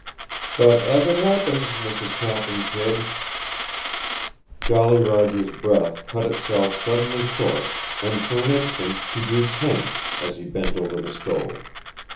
But, as it happens, Mrs. Captain Kidd " Jolly Roger's breath cut itself suddenly short, and for an instant he grew tense as he bent over the stove.